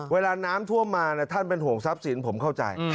เวลาน้ำท่วมมาท่านเป็นห่วงทรัพย์สินผมเข้าใจ